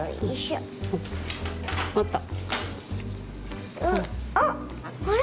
あっあれ？